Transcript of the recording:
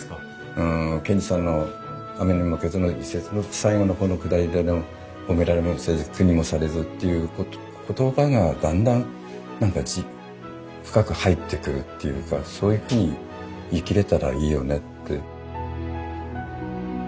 うん賢治さんの「雨ニモマケズ」の一節の最後の方のくだりでの「ホメラレモセズクニモサレズ」っていう言葉がだんだん何か深く入ってくるっていうかそういうふうに生きれたらいいよねって。